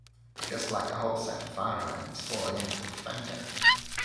Just like a whole set of fire-irons falling into the fender!